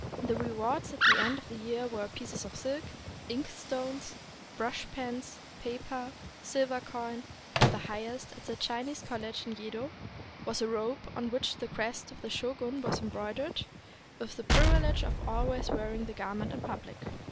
The rewards at the end of the year were pieces of silk, ink stones, brush pens, paper, silver coin; and the highest, at the Chinese college in Yedo, was a robe on which the crest of the shogun was embroidered, with the privilege of always wearing the garment in pubHc.